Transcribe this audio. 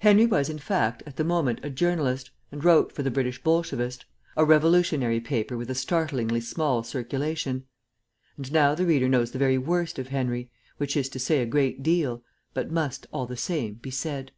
Henry was, in fact, at the moment a journalist, and wrote for the British Bolshevist, a revolutionary paper with a startlingly small circulation; and now the reader knows the very worst of Henry, which is to say a great deal, but must, all the same, be said.